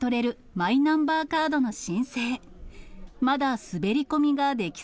マイナンバーカードの申請。